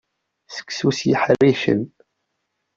Seksu s yeḥricen.